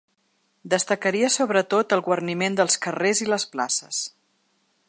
Destacaria sobretot el guarniment dels carrers i les places.